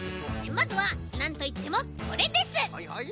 まずはなんといってもこれです！